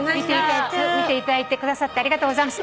見ていただいてくださってありがとうございます。